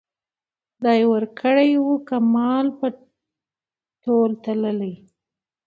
خدای ورکړی وو کمال په تول تللی